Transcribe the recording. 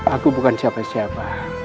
aku bukan siapa siapa